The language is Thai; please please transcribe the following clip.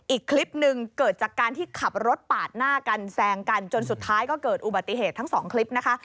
อีกคลิปหนึ่งเกิดจากการที่ขับรถปาดหน้ากันแซงกันจนสุดท้ายก็เกิดอุบัติเหตุทั้งสองคลิปนะคะ